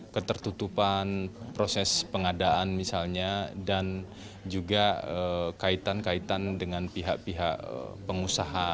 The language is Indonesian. ketertutupan proses pengadaan misalnya dan juga kaitan kaitan dengan pihak pihak pengusaha